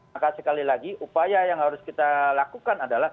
maka sekali lagi upaya yang harus kita lakukan adalah